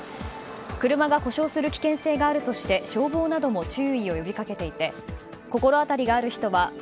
車が故障する危険性があるとして消防なども注意を呼び掛けていて心当たりがある人はＥＮＥＯＳ